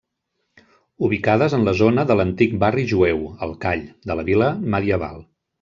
Ubicades en la zona de l'antic barri jueu, el call, de la vila medieval.